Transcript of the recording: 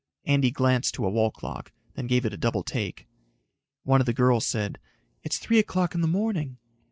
Andy glanced to a wall clock, then gave it a double take. One of the girls said, "It's three o'clock in the morning."